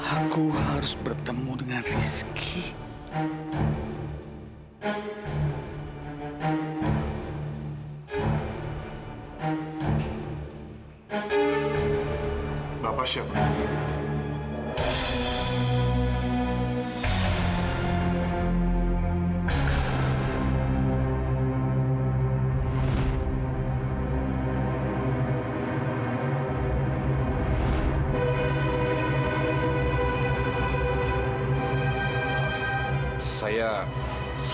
aku harus bertemu dengan rizky